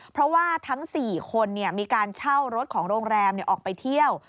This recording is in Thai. เพราะว่าทั้ง๔คนมีการเช่ารถของโรงแรมออกไปเที่ยว